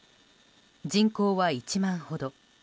人口は、１万ほど。